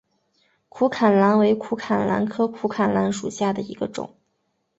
苦槛蓝为苦槛蓝科苦槛蓝属下的一个种。